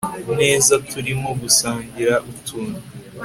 neza turimo gusangira utuntu